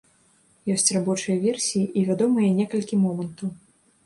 Ёсць рабочыя версіі і вядомыя некалькі момантаў.